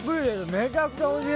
めちゃくちゃおいしい。